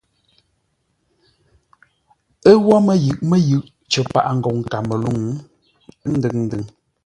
Ə́ wó mə́yʉʼ mə́yʉʼ cər paʼa ngoŋ Kamelûŋ, ndʉŋ-ndʉŋ.